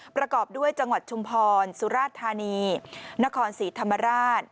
ประกอบด้วยจังหวัดชุมพรสุราธานีนครศรีธรรมราช